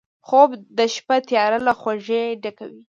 خوب د شپه تیاره له خوږۍ ډکوي